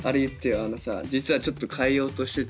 あのさ実はちょっと変えようとしてて。